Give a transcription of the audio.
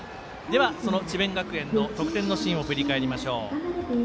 その智弁学園の得点のシーン振り返りましょう。